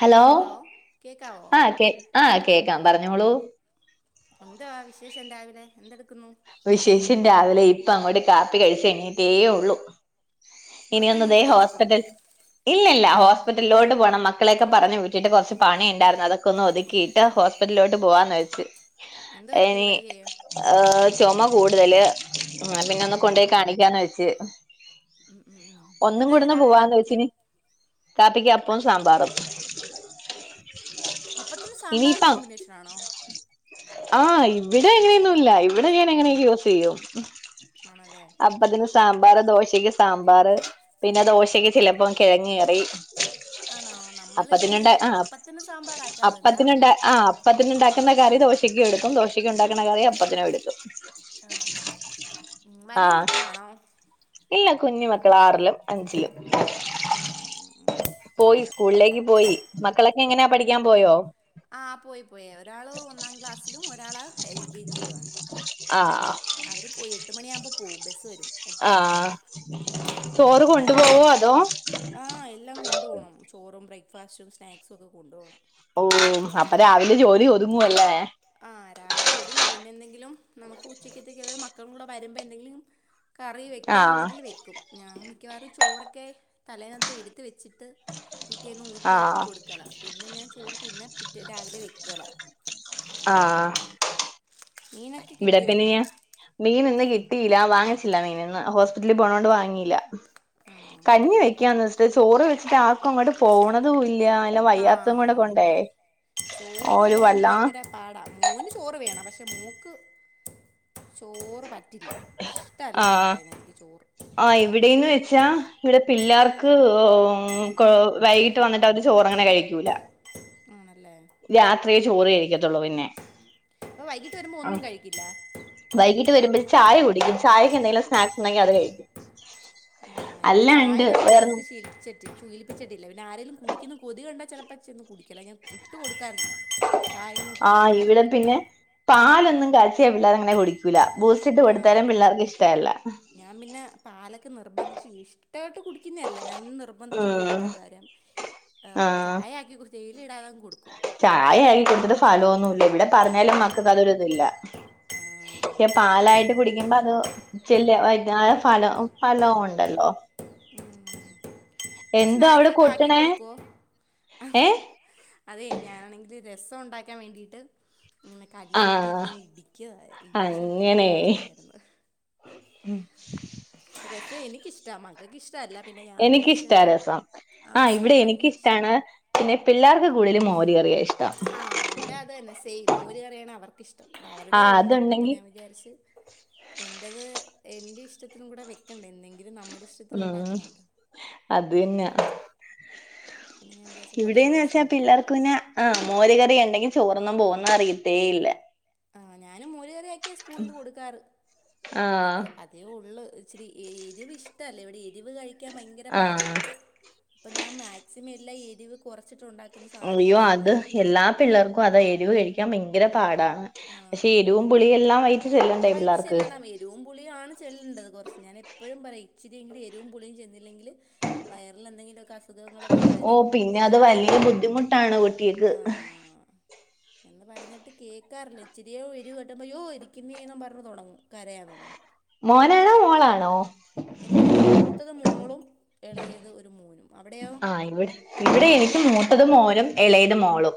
Hello ആഹാ കേ ആഹാ കേക്കാം പറഞ്ഞോളൂ എന്താ വിശേഷം രാവിലെ എന്തെടുക്കുന്നു വിശേഷം രാവിലെ ഇപ്പ അങ്ങോട്ട് കാപ്പി കഴിച്ച് എണീറ്റേ ഉള്ളു ഇനി ഉറക്കം ഒന്ന്തേ എണീറ്റേ ഉള്ളൂ ഇപ്പം ഹോസ്പിറ്റൽ ഇല്ല ഇല്ല ഹോസ്പിറ്റലിലോട്ട് പോകണം മക്കളൊക്കെ പറഞ്ഞ് വിട്ടിട്ട് കൊറച്ച് പണി ണ്ടായിരുന്നു അതൊക്കെ ഒന്ന് ഒതുക്കി ഹോസ്പിറ്റലിലോട്ട് പോവാന്ന് വെച്ച് എന്ത് പറ്റി ഇനി വയ്യയോ ചുമ കൂടുതല് പിന്നെ ഒന്ന് കൊണ്ട് പോയി കാണിക്കാന്ന് വെച്ച് ഉം ഉം ഉം ഒന്നും എന്തായിരുന്നു കൂടുന്ന് രാവിലെ പോവാന്ന് കാപ്പിക്ക് വെച്ചീന്ന് കാപ്പിക്ക് അപ്പവും സാമ്പാറും ഒപ്പത്തിന് സാമ്പാർ ഇനിയിപ്പം കോമ്പിനേഷൻ ആണോ? ആഹ് ഇവിടെ എങ്ങനെയൊന്നുംല്ല ഇവിടെ ഞാൻ എങ്ങനെ യൂസ് ചെയ്യും ആണല്ലേ അപ്പതിന് സാമ്പാർ, ദോശക്ക് സാമ്പാർ, പിന്നെ ദോശക്ക് ചിലപ്പോം കിഴങ്ങ കറി ആണോ നമ്മളിങ്ങനെ അപ്പത്തിനുണ്ട അപ്പത്തന സാമ്പാറാക്കാറില്ല. ആഹ്പ്പത്തിന് ഉണ്ടാക്കുന്ന കറി ദോശക്കും എടുക്കും ദോശയ്ക്കുണ്ടാക്കുന്ന കറി അപ്പത്തിനും എടുക്കും ആണല്ലേ ഉ വലിയ ആഹ് മക്കളാണോ ഇല്ല കുഞ്ഞു മക്കള ആറിലും അഞ്ചിലും ഉം ഉം പോയി സ്കൂളിലേക്ക് പോയി മക്കളൊക്കെ എങ്ങനെയാ പഠിക്കാൻ പോയോ? ആ പോയി പോയി ഒരാള് ഒന്നാം ക്ലാസ്സിലും ഒരാള് എൽ കെ ജിയിലുണ് ആഹ് അവർ പോയി എട്ട് മണിയാകുമ്പോ പോവും ബസ് വരും. എട്ട് മണിക്ക് ആഹ് ഉം ചോറ് കൊണ്ടുപോവോ അതോ ആഹ് എല്ലാം കൊണ്ട പോകണം ചോറും ബ്രേക്ക്ഫാസ്റ്റും സ്നാക്സും ഒക്കെ കൊണ്ടു പോകണം ഓഹ് അപ്പൊ രാവിലെ ജോലി ഒതുങ്ങുവല്ലേ? ആഹ് രാവിലെ ഒതുങ്ങും പിന്നെ എന്തെങ്കിലും നമുക്ക് ഉച്ചയ്ക്ക് എത്തക്ക മക്കളൂടെ വരുമ്പോ എന്തെങ്കിലും കറി ആഹ് വയ്ക്കാനുണ്ടെങ്കിൽ വയ്ക്കും ഞാൻ മിക്കവാറും ചോറൊക്കെ തലേനകത്ത് എടുത്ത് വെച്ചിട്ട് പിറ്റേന്ന് ഊറ്റിയ ആക്കി ആഹ് കൊടുക്കല പിന്നെ ഞാൻ ചോറ് പിന്നെ പിറ്റേ രാവിലെ വെക്കല ആഹ് മീനൊക്കെ ഇവിടെ കിട്ടിയോ പിന്നെ ഇന്ന് മീൻ ഇന്ന് കിട്ടിയില്ല, വാങ്ങിച്ചില്ല മീൻന്ന് ഹോസ്പിറ്റലിൽ പോണോണ്ട് [unintelligible] ആണോ കഞ്ഞി വെക്കന്ന്ച്ച ചോറ് വെച്ചിട്ട് ആർക്കും അങ്ങോട്ട് പോണതല്ല ആഹ് വയ്യാത്തങ്ങൂടെക്കണ്ടേ ഓ ഒരു വല്ലാ പാട മോന് ചോറ് വേണം പക്ഷെ മാേക്ക് ചോറ് പറ്റില്ല. ഇഷ്ടമല്ല ആഹ് കാറായിരുന്നു എനിക്ക് ചോറ് ആഹ് ഇവിടെന്ന് വെച്ചാ ഇവിടെ പിള്ളാർക്ക് വൈ കീട്ട് വന്നിട്ട് അവര് ചോറങ്ങനെ കഴിക്കൂല. ആണല്ലേ രാത്രിയേ ചോറ് കഴിക്കത്തുള്ളൂ പിന്നെ അപ്പോ വൈകിട്ട് വരുമ്പോ ഒന്നും കഴിക്കില്ല. വൈകീട്ട് വരുമ്പോ ചായ കുടിക്കും ചായക്ക് എന്തെങ്കിലും സ്നാക്സ്ണ്ടെങ്കി അത് കഴിക്കും. ആഹ് ഇവിടെ ചായ അല്ലാണ്ട് ഞാൻ വേറെ കൊടുത്ത് ശീപ്പിച്ചിട്ട് ശീലിപ്പിച്ചിട്ടില്ല. പിന്നെ ആരെലും കുടി ക്കിന്ന് കൊതി കണ്ടാ ചിലപ്പോ ചെന്ന് കുടിക്കിലാ. ഞാൻ ഇട്ട് കൊടുക്കാറില്ല. ചായയൊന്നും ആഹ് ഇവിടെ കൊടുക്കാറില്ല പിന്നെ പാലൊന്നും കാച്ചിയാ പിള്ളാരങ്ങനെ കുടിക്കൂല. ബൂസ്റ്റ്ട്ട് ആ കൊടുത്താലും പിള്ളാർക്ക് ഇഷ്ടല്ല. ഞാൻ പിന്നെ പാലൊക്കെ നിർബന്ധിച്ച് ഇഷ്ടായിട്ട് കുടിക്കുന്നെ അല്ല. ഞാൻ നിർബ ബന്ധിച്ച് ഉം കൊടുക്കും കാര്യം. പ ചായാക്കി കുറിച്ച് തേയില ഇടാതങ്ങ് കൊടുക്കും. ചായായി കുടിച്ചത് ഫലമൊന്നുല്ല. ഇവിടെ ആ പറഞ്ഞാലും മക്കക്ക് അതൊരു ഇതില്ല. ആ പാലായിട്ട് കുടിക്കുമ്പോ അത് ചെല്ല വൈ ഫന ഫലോം ഒണ്ടല്ലോ. എന്തോ അവിടെ സ്നാക്സൊക്കെ കൊട്ടണേ ആക്കികൊടുക്കൊ? [unintelligible] ഏഹ് അതെ ഞാനാണെങ്കില് രസൊണ്ടാക്കാൻ വേണ്ടീട്ട് ഇങ്ങനെ ആഹ് കല്ലിട്ടിങ്ങനെ ഇടിക്ക്കാ ഇടിച്ചത ചതച്ചതായിരുന്നു. ഉം രസം എനിക്കിഷ്ടമാ. മക്കക്ക് ഇഷ്ടമല്ല പിന്നെ ഞാൻ എനിക്കിഷ്ടാ വിചാരിച്ചപ്പം ആഹ് ഇവിടെ എനിക്ക് ഭയങ്കര ഇഷ്ട എനിക്കിഷ്ടമാണ്. പിന്നെ പിള്ളാർക്ക് കൂടുതലും മോര് കറിയാ ഇഷ്ടം. ആഹ് ഇവിടെ അതന്നെ സെയിം മോര്കറിയാണ് അവർക്കിഷ്ടം. അവരുടെ ആഹ് ഉണ്ട് അപ്പൊ അതുണ്ടെങ്കി ഞാൻ വിചാരിച്ച് എന്റത് എന്റെ ഇഷ്ടത്തിനും കൂടെ വെക്കണ്ടേ എന്തെങ്കിലും നമ്മുടെ ഇഷ്ടത്തിനും ഉം ഉണ്ടാക്കണോല്ലോ. അത് തന്നെ പിന്നെ ഞാൻ വിചാരിച്ച് കുറച്ച് ഇവിടേന്ന് വെച്ചാ രസമാക്കാം പിള്ളാർക്ക് പിന്നെ ആഹ് മോര് കറിയിണ്ടെങ്കി ചോറൊന്നും പോകുന്ന അറിയത്തേ ഇല്ല. ആഹ് ഞാനും മോര് കറിയൊക്കെ സ്കൂളില് കൊടുക്കാറ്. ആഹ് അത് അ അതേ ഒള്ള് ഇച്ചരി എരിവ് ഇഷ്ടല്ല. ഇവിടെ എരിവ് കഴിക്കാൻ ഭയങ്കര പാടാ. ആഹ് അപ്പ ഞാൻ മാക്സിമെല്ലാ എരിവ് കൊറച്ചിട്ടൊണ്ടാ അയ്യോ അത് എല്ലാ പിള്ളേർക്കും അത് എരിവ് കഴിക്കാൻ ഭയങ്കര പാടാ. ആ, പക്ഷെ എരുവും പുളിയും എല്ലാം വയറ്റി ചെല്ലണ്ടേ പിള്ളാർക്ക്. രുവും പുളിയു ആണ് ചെല്ലേണ്ടത്. കൊറച്ച് ഞാൻ എപ്പഴും പറയും ഇച്ചിരിയെങ്കിലും എരുവും പുളിയും ചെന്നില്ലെങ്കില് വയറിലെന്തെങ്കിലുമൊക്കെ അസു സുഖങ്ങളൊക്കെ വ ഓഹ് പിന്നെ അത് വല്ല്യ ബുദ്ധിമുട്ടാണ് കുട്ടികൾക്ക്. ആ എന്ന് പറഞ്ഞിട്ട് കേക്കാറില്ല. ഇച്ചിരിയേ എരിവ് തട്ടുമ്പോ യ്യോ എരിക്കുന്നേന്ന് പറഞ്ഞ് തുടങ്ങും കരയാൻ തൊടങ്ങും. മോനാണോ മോളാണോ? എനിക്കൊരു മൂത്തത് മോളും എളയത് ഒരു മോനും. അവിടെയോ? ആഹ് ഇവിടെ ഇവിടെ എനിക്ക് മൂത്തത് മോനും എളയത് മോളും.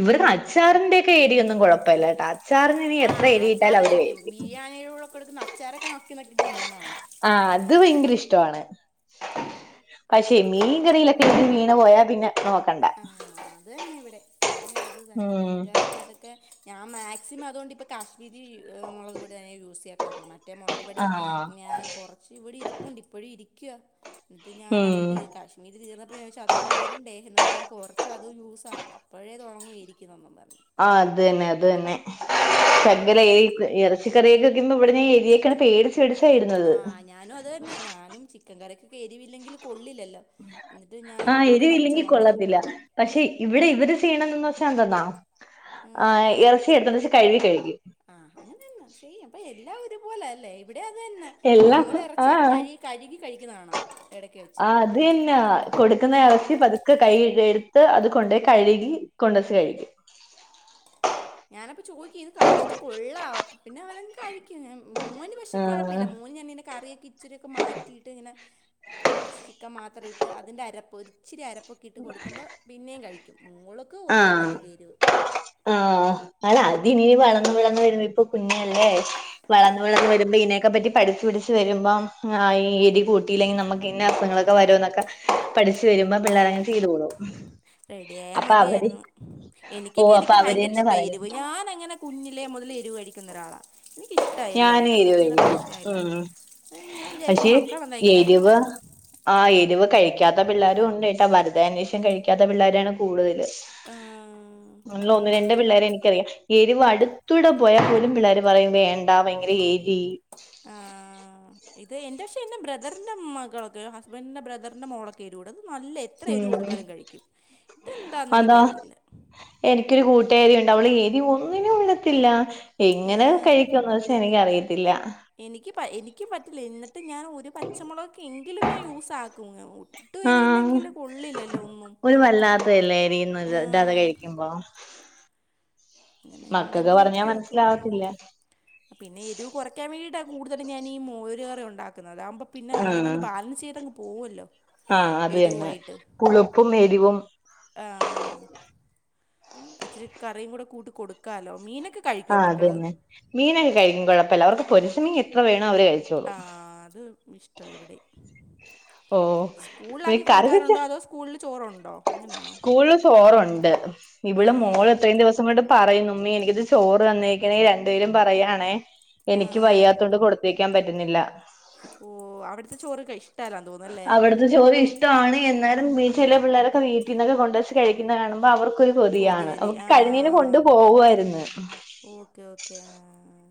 ഇവരുടെ അച്ചാറിൻന്റെയോക്കെ എരിയൊന്നും കൊഴപ്പോല്ലാട്ട. അച്ചാറിന് ഇനി എത്ര എരിയിട്ടാലും അവര് കഴിക്കും. യായോനോക്കെ എടുത്ത് അച്ചാരൊക്കെ നക്കി നക്കി തിന്നുന്ന കാണാം. ആഹ് അത് ഭയങ്കര ഇഷ്ടമാണ്. ഉം പക്ഷെ മീൻ കറിയിലൊക്കെ എരിവ് വീണ് പോയാ പിന്നെ നോക്കണ്ട. ആഹ് അത് തന്നെ ഇവിടെം. ഇവിടെ അത് തന്നെ ഉം മീൻകറിക്കാത്തൊക്കെ ഞാൻ മാക്സിമം അതുകൊണ്ട് ഇപ്പ കാശ്മീരി മുളക് പോടി തന്നെ യൂസ് ചെയ്യക്കാറുള്ളൂ മറ്റേ മൊളക് പൊടി ആഹ് ഞാ കുറ ക്ഷെ ഇവിടെ ഇരിപ്പ്ണ്ട് ഇപ്പഴും ഇരിക്കുവ എന്നിട്ട് ഞാനത് ഉം തീ കാശ് പിന്നെത് തീർന്നപ്പോ ഞാച്ചു അതുവും തീരണ്ടേ എന്നും പറഞ്ഞു കുറച്ച് അതും യുസാക്കും അപ്പഴേ തുടങ്ങും എരിക്കുന്നന്നും പറഞ് ആഹ് അതന്നെ അതന്നെ ശകല ഏയ് ഇറച്ചിക്കറിയൊക്കെക്കുമ്പോ ഇവിടെ എരിയൊക്കാണ് പേടിച്ച് പേടിച്ചായിരുന്നത് ആഹ് ഞാനും അത് തന്നെ ഞാനും ചിക്കൻ കറിയൊക്കെ എരിവില്ലെങ്കി കൊള്ളില്ലല്ലോ എന്നിട്ട് ഞാൻ ആഹ് ഒരു എരിവില്ലെങ്കി പച്ചമുളക് കൊള്ളത്തില്ല പക്ഷെ ഇവിടെ ഇവര് ചെയ്യണന്ന്ച്ചാൽ എന്തെന്നാ ഉം ഇറച്ചി എടുത്ത വെച്ച് കഴുകി കഴിക്കും ആഹ് അങ്ങനെന്നാ സൈം അപ്പൊ എല്ലാ ഒരു പോലെ അല്ലേ ഇവിടെ അതാന്നാ എല്ലാം ആഹ് കഴിക്കുന്ന കാണാം ഇടക്ക് വെച്ച് അതന്നാ കൊടുക്കുന്ന എറച്ചി പതു ക്കെ കൈല് എടുത്ത് അത് കൊണ്ടച്ച് കൊണ്ടച്ച് കഴിക്കും ഞാനപ്പം ചോദിക്കും ഇത് കഴിച്ചിട്ട് കൊള്ളാവൊ പിന്നെ അവന കഴിക്കും മോന് പക്ഷെ കൊഴപ്പല്ല ആഹ് മോന് ഞാങ്ങനെ കറിയോക്കേ ഇചിരി യൊക്കെ മാറ്റിയിട്ട് ഇങ്ങനെ കൊർച്ച് ചിക്കൻ മാത്ര ഇട്ട് അതിന്റെ അരപ്പ് ഒര് ഇച്ചിരി അരപ്പൊക്കെ ഇട്ട് കൊടുക്കുമ്പോ പിന്നേം കഴിക്കും മോള് ആഹ് ആഹ് ആല്ല അത് ഇനി വളർന്നു വളന്നു വരുമ്പോ ഇപ്പൊ കുഞ്ഞല്ലേ വളന്ന് വളന്ന് ആ വരുമ്പോ ഈനെയൊക്കെ പറ്റി പഠിച്ചു പിടിച്ച് വരുമ്പോ ആഹ് എരി കൂട്ടിയില്ലെങ്കി നമുക്ക് ഇന്ന അസുഖങ്ങളോക്കേ വരുന്നോക്കെ പഠിച് വരുമ്പോ പിള്ളേര് അങ്ങനെ ചെയ്തോളും റെഡിയായാ അപ്പൊ അവര് മതിയായിരുന്നു എനിക്കൊക്കെ ഓഹ് അപ്പൊ എനിക്ക് അവര് ഭയങ്കര തന്നെ ഇഷ്ട പറയും എരിവ് ഞാനങ്ങനെ കുഞ്ഞിലെ മുതലേ എരുവ് കഴിക്കുന്ന ഒരാളാ എനിക്കിഷ് ട്ട എരിവ് ഞാനും കഴിക്കാൻ എനിക്കങ്ങനെ കഴിക്കും പ്രശ്നല്ല ഉം ഞാൻ വിചാരിക്കും ഈ പക്ഷെ മക്കളെന്താ എരിവ് ഇങ്ങനായിപ്പോയേന്ന് ആഹ് എരിവ് കഴിക്കാത്ത പിള്ളേരുണ്ട് ട്ടാ വെർതേ അന്യോഷ്ചാ കഴിക്കാത്ത പിള്ളോരാണ് കൂടുതൽ ആഹ് ഒന്ന് ഒന്ന് രണ്ട് പിള്ളേരോക്കേ എനിക്കറിയാം എരിവ് അടുത്തൂടെ പോയാലും പിള്ളേർ പറയും വേണ്ട ഭയങ്കര എരി ആഹ് ആഹ് ഇത് എന്റെ പക്ഷെ എന്റെ ബ്രദറിന്റെ മകളൊക്കെ ഹസ്ബന്റിന്റെ ബ്രദറിന്റെ മോളൊക്കെ എരിവ് കൂട്ടും അത് നല്ല എത്ര എരിവ് ഉം കൊടുത്താലും കഴിക്കും ഇതെന്താന്ന് അതാ എനിക്കറിയില്ല എനിക്കൊരു കൂട്ടാരിണ്ട് അവള് എ ഈ ഒന്നിനും വിടത്തില്ല എങ്ങനെ ഏഹ് കഴിക്കുന്നച്ചാ എനിക്ക് അറിയത്തില്ല എനിക്ക് പ എനിക്കും പറ്റില്ല എന്നിട്ട് ഞാൻ ഒരു പച്ചമുളകൊക്കെ എങ്കിലും ഞാൻ യൂസാക്കും ഒട്ടും ആഹ് എരിവില്ലെങ്കില് കൊള്ളില്ലല്ലോ ഒന്നും ഒരു വല്ലാ ത്തെ ഇല്ലെ എരിയൊന്നും ഇടാതെ ആഹ് കഴിക്കുമ്പോ ഇങ്ങനെ മക്കക്ക് എന്തെങ്കിലും പറഞ്ഞാ ഒക്കെ ആക്കും മനസ്സിലാവത്തില്ല പിന്നെ എരുവ് കുറക്കൻ വേണ്ടിയിട്ടാ കൂടുതലും ഞാൻ ഈ മോര് കറി ഉണ്ടാക്കുന്നത് അതാകുമ്പം പിന്നെ അതിനോണ്ട് ആഹ് ബാലൻസ് ചെയ്തങ്ങ് പോവോല്ലോ ആഹ് അത് തന്നെ പുളുപ്പും എരിവും ആഹ് ഇച്ചിരി കറിയും കൂടെ കൂട്ട് കൊടുക്കാലോ മീനൊക്കെ കഴിക്കുവോ ആഹ് അത് മക്കള് തന്നെ മീനൊക്കെ കഴിക്കും കുഴപ്പല്ല അവർക്ക് പൊരിച്ച മീൻ എത്ര വേണോ അവര് കഴി ആഹ് അത് ഇഷ്ട ഇവിടെ ഓഹ് സ്കൂളിലാക്കി കറി വെച്ച കൊടുക്കാറുണ്ടോ അതോ സ്കൂളില് ചോറുണ്ടോ അങ്ങനെയാണോ ഇവിടെ ആഹ് മോൾ ആഹ് എത്രയും ദിവസം കൊണ്ട് പറയുന്നുമ്മീ എനിക്കിത് ചോറ് തന്നേക്കണെ രണ്ടുപേരും പറയാണേ എനിക്ക് ആഹ് വയ്യാത്ത കൊണ്ട് കൊടു ക്കാൻ പറ്റുന്നില്ല ഓ അവിടുത്തെ ചോറ് ഇഷ്ടല്ലാ തോന്ന്ന്ന് അല്ലേ ചോറിഷ്ടാണ് എന്നാലും ഈ ചെലെ പിള്ളാരൊക്കെ വീട്ടീന്നൊക്കെ കൊണ്ടുവച്ച് കഴിക്കുന്ന കാണുമ്പോൾ അവർക്ക് ഒരു കൊതിയാണ് കൊതിവരി അവക്ക് കരിമീന് കൊണ്ട് പോവു ആയിരുന്നു ഓക്കേ ഓക്കേ ആഹ ആഹ്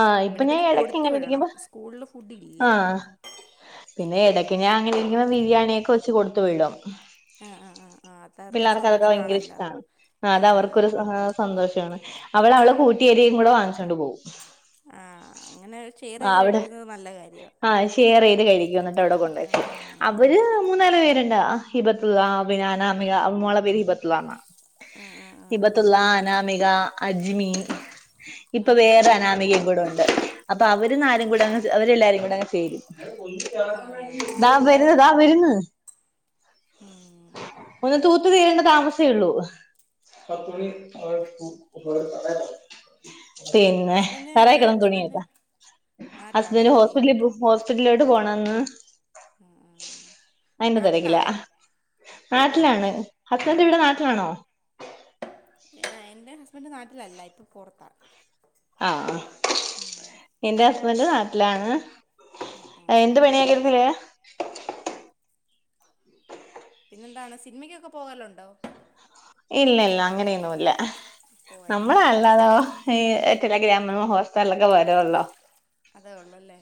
ആഹ് ഇപ്പൊ ഇവിടെ ഞാൻ പിന്നെ ഇടക്ക് കൊടുത്തു ഇങ്ങനെ വിടണം ഇരിക്കുമ്പോ സ്കൂളില് ഫുഡ് ഇല്ല ആഹ് പിന്നെ എടക്ക് ഞാൻ അങ്ങനെ ഇരിക്ക്മ്പോ ബിരിയാണിയൊക്കെ വച്ച് കൊടുത്തു വിടും ആഹ ആഹ് ആഹ പിള്ളേർക്ക് അതൊക്കെ ഭയങ്കര ഇഷ്ടമാണ് ആ അത് അവർക്കൊരു ആഹ് സന്തോഷമാണ് അവള അവളെ കൂട്ടിയേരിയും കൂടെ വാങ്ങിച്ചുകൊണ്ട് പോവും ആ അങ്ങനെ ഷെയർ ചെയ്ത് അവിടെ കഴിക്കുന്നത് നല്ല കാര്യമാണ് ആഹ് ഷെയർ ചെയ്ത് കഴിക്കും എന്നിട്ട് അവിടെ കൊണ്ടെയ്ക്കും അവര് മൂന്നാല് പേരുണ്ട് ഹിബത്ത അഭനാന ആ മോളെ പേര് ഹിബത്തലാന്ന ആ ആ ആ ആ ഹിബത്തുള്ള അനാമിക അജ്മി ആ ഇപ്പൊ ആ വേറെ ആ അനാമികയും കൂടെ ഉണ്ട് അപ്പൊ അവരുന്നാലും കൂടെ അങ്ങ് അവരെല്ലാരും കൂടെ അങ്ങ് ചേരും ആ അത് ദാ നല്ല വരുന്ന ദാ കാര്യം വരുന്ന് ഉം ഒന്ന് തൂത്തു തീരണ്ട താമസേള്ളൂ [unintelligible] പിന്നെ ഹസ്ബൻഡ് തറേ കെടന്ന ഹസ്ബൻഡ് തുണിയൊക്കെ നാട്ടിലാണോ ഹസ്ബൻഡ് ജോലി ഹോസ്പിറ്റലിൽ പോ ഹോസ്പിറ്റലിലോട്ട് പോണന്ന് ആ അയിന്റെ തിരക്കിലാ നാട്ടിലാണോ നാട്ടിലാണ് ഹസ്ബൻഡ് ഇവിടെ നാട്ടിലാണോ ആഹ് എന്റെ ഹസ്ബൻഡ് നാട്ടിലല്ല ഇപ്പൊ പൊറത്താ ആഹ എന്റെ ഹസ്ബന്റ് നാട്ടിലാണ് എന്ത് പണിയാ [unintelligible] പിന്നെന്താണ് സിനിമക്കൊക്കെ പോകലുണ്ടോ ഇല്ല ഇല്ല അങ്ങനെയൊന്നും ഇല്ല പോകാറില്ല നമ്മള് ല്ലാ ഈ ടെല ഗ്രാമിലും ഹോട്സ്റ്റാറിലൊക്കെ വരുവല്ലോ അതേ ഉള്ളല്ലേ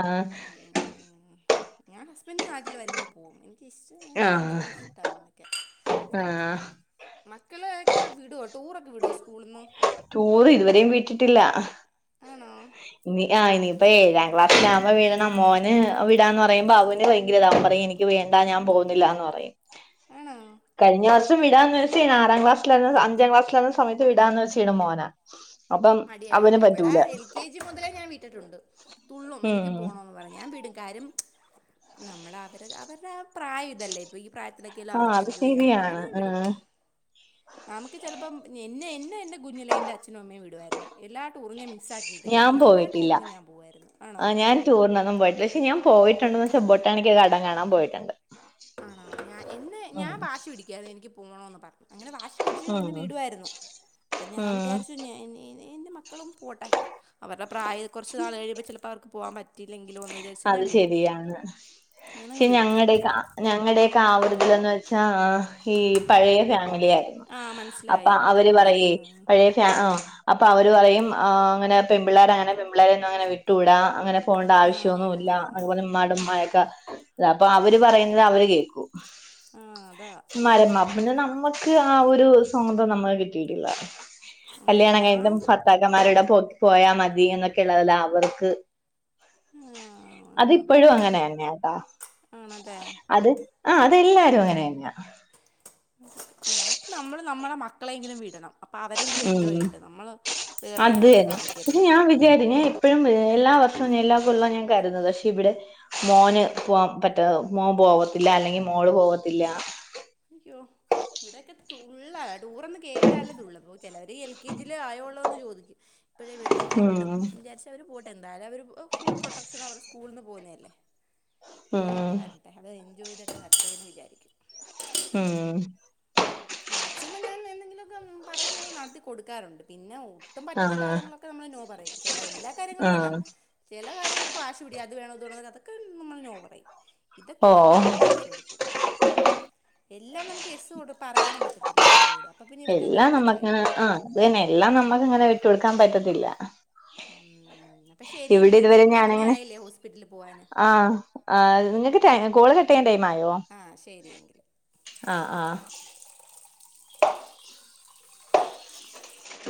ആഹ് ഉം ഞാൻ ഹസ്ബൻ് നാട്ടിൽ വരുമ്പോ പോവും എനിക്ക ഇഷ്ടം ഞങ്ങക്ക് ആഹ് രണ്ടർക്കും ഇഷ്ടം തങ്ങനക്കെ ആഹ് മക്കളെ ഒക്കെ വിടോ ടൂറൊക്കെ വിടോ സ്കൂള്ന്ന് ടൂറ് ഇതുവരെയും വിട്ടിട്ടില്ല ആണോ ഇനി ആ ഇനിയിപ്പൊ ഏഴാം ക്ലാസിലാമ്പോ വീടണം മോന് വിടാന്ന് പറയുമ്പോ അവന് ഭയങ്കരതാ അവൻ പറയും എനിക്ക് ക്ക് വേണ്ടാ ഞാൻ പോവ്ന്നില്ലാന്ന് പറയും ആണോ കഴിഞ്ഞ വർഷം വിടാന്ന് വെച്ച കഴിഞ്ഞാ ആറാം ക്ലാസ്സിലാണ് അഞ്ചാം ക്ലാസ്ലാലാവ്ന്ന സമയത്ത് വിടാന്ന് വെച് ച്ചിടെ മോന മടിയാ ഇവിടെ എൽ കെ ജി മുതലേ ഞാൻ വിട്ടിട്ടുണ്ട് തുള്ളും എനിക്ക് ഉം പോണോന്ന് പറഞ്ഞ് ഞാൻ വീടും കാരും നമ്മള് അവര് അവരുടെ ആ പ്രായം ഇതല്ലേ ഇപ്പൊ ഈ പ്രായത്തിലൊക്കെ അല്ലെ ആഹ് അവർക്ക് അത് എൻജോയ് ചെയ്യാൻ പറ്റ്ന്ന് ശരിയാണ് ഞാൻ വിടും ആഹ് നമുക്ക് ചെലപ്പം എന്നെ എന്നെ എന്റെ കുഞ്ഞിലേ എൻ്റെ അച്ഛനും അമ്മയും വിടുവായിരുന്നു എല്ലാ ടൂറും ഞൻ മിസ്സക്കിയിട്ടില്ല ഞാൻ മേ എല്ലാ ടൂറിനും ഞാൻ പോവായിരുന്നു ആണോ ടറിനൊന്നും പോയിട്ടില്ല പക്ഷ ഞാൻ പോയിട്ടുണ്ടന്ന് വെച്ച ബൊട്ടാണിക്കൽ ഗാഡൻ കാണാൻ പോയിട്ടുണ്ട് ആണോ ഞാൻ ഇന്ന് ഉം ഞാൻ വാശി പിടിക്കായിരുന്നു എനിക്ക് പോണോന്ന് പറഞ്ഞു അങ്ങനെ വാശി പിടിച്ച് ഉം എന്നെ വിടുവായിരുന്നു അപ്പം ഞാൻ ഉം വിചാരിച്ചു നി നി എൻറെ മ ക്കളും പോട്ടെ അവരുടെ പ്രായം കുറച്ച് നാൾ കഴിയുമ്പോ ചിലപ്പോ അവർക്ക് പോകാൻ പ റ്റിയില്ലെങ്കിലോന്ന് അത് വിചാരിച്ഞാൻ വിടും ശരിയാണ് ഞാനങ്ങ് വിടും ഞങ്ങടെയക്കെ ആവൃതിലന്ന് വെച്ചാ ഈ പഴയ ഫാമിലി ആയിരുന്നു ആ അപ്പ മനസ്സിലായി അവര് ഓർത്തഡോക്സ് ആ പറയെ പഴയ ഫാ ആഹ് അപ്പൊ അവര് പറയും ആഹ് അങ്ങനെ പെൺ പിള്ളേരങ്ങനെ പെൺ പിള്ളേരൊന്നും അങ്ങനെ വിട്ടൂടാ അങ്ങനെ പോണ്ട ആ ആവശ്യന്നുല്ല അതുപോലെ ഉമ്മാടമ്മായൊക്കെ അപ്പൊ അവര് പറയുന്നത് അവര് കേക്കൂ ആ അതാ മ്മാരെമ്മ പിന്നെ നമ്മക്ക് ആ ഒരു സ്വതന്ത്രിയം നമ്മക്ക് കിട്ടിയിട്ടില്ല ഉം, കല്യാണം ഞാൻ കഴിഞ്ഞിട്ട് ഭർത്താക്കന്മാരുടെ പോ പോയാ മതി എന്നൊക്കെ ഉള്ളതല്ലെ അവർക്ക് അഹ് ആഹ് അത്പ്പോഴും അങ്ങനെ തന്നെയട്ടാ ആണല്ലേ അത് ആഹ് അതെല്ലാരും അങ്ങനെന്നെയ അപ്പം നമ്മള് നമ്മളെ മക്കളെങ്കിലും വിടണം അപ്പ അവരെങ്കിലും ഉം എൻജോയ്യിട്ട് നമ്മള് വേർതിരുവൊന്നും കാണിക്കരുത് ആഹ് വിചാരി ഏ ഇപ്പഴും എല്ലാ വർഷവും എല്ലാ [unintelligible] ഞാൻ കര്ത് ന്നാ പക്ഷേ ഇവിടെ മോന് പോവാൻ പറ്റാതാവ് മോൻ പോവത്തില്ല അല്ലെങ്കിൽ മോള് പോവത്തില്ല യ്യോ ഇവിടെക്കെ തുള്ള ടൂറന്ന് കേട്ടാലെ തുള്ളൂ അപ്പ ചെലവര് എൽ കെ ജില് ആയോള്ളൂന്ന് ചോദിക്കും ഇപ്പഴേ വിടണം ഞൻ ഉം വിടും വിചാരിച്ചവര് പോ എന്തായാലും അവർ ഫുൾ പ്രൊട്ടക്ഷൻ അവരെ സ്കൂൾന്ന് പോന്നല്ലേ പോയിട്ട് ഉം വര അത് എൻജോയ്യ്തിട്ട് [unintelligible] വിചാരിക്കും ഉം മാക്സിമം ഞാൻ എന്തെങ്കിലുക്കെ പറയുന്നത് നടത്തി കൊടുക്കാറുണ്ട് പിന്നെ ഓ ട്ടും പറ്റാത്ത ആഹ് കാര്യങ്ങളൊക്കെ നമ്മൾ നോ പറയും ചെല എല്ലാ കാര്യങ്ങളും അല്ല ആഹ് ചെല കാര്യങ്ങൾക്കൊക്കെ വാശി പിടിക്കും അത് വാണോ ഇത് വേണോ ന്നൊക്കെ അതൊക്ക നമ്മൾ നോ പറയും ഇതൊക്കെ ഓ ഞാൻ അംഗീകരിച്ചു കൊടുക്കും എല്ലാം നമുക്ക് എസ് കൊടു പറയാനും പറ്റത്തില്ലല്ലോ ഇവരോട് അപ്പൊ പിന്നെ ഇവർക്കങ്ങ് എല്ലാം നമ്മക്ക് ഇതായി ആഹ് പോകും ആഹ് അത് തന്നെ എല്ലാം നമ്മുക്ക്ങ്ങനെ വിട്ടു കൊടുക്കാൻ പറ്റത്തില്ല ഉം അപ്പൊ ഇവിടെ ശരിയെങ്കിൽ ഇന്ന് ഇതുവരെ ഞാനങ്ങനെ സമയായില്ലേ ഹോസ്പിറ്റലിൽ പോവാന് ആഹ് ആഹ് ങ്ങക്ക് ട്ടെ കോള് കട്ടയ്യാൻ ടൈം ആയോ ആഹ് ശരിയെങ്കിൽ ആഹ് ആഹ്